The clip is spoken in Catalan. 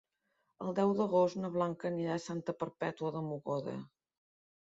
El deu d'agost na Blanca anirà a Santa Perpètua de Mogoda.